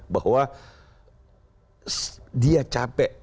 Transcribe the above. bahwa dia capek